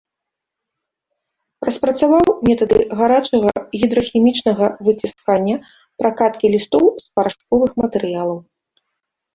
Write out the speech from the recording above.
Распрацаваў метады гарачага гідрахімічнага выціскання, пракаткі лістоў з парашковых матэрыялаў.